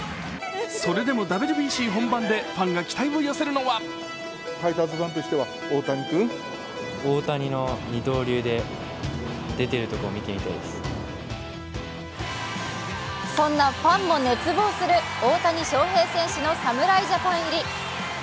それでもＷＢＣ本番でファンが期待を寄せるのはそんなファンも熱望する大谷翔平選手の侍ジャパン入り。